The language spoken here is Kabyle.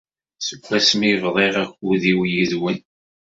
Seg wasmi i bḍiɣ akud-iw yid-wen.